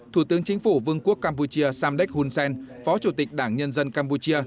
thủ tướng chính phủ vương quốc campuchia samdek hun sen phó chủ tịch đảng nhân dân campuchia